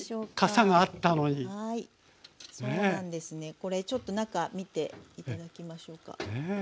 これちょっと中見て頂きましょうか。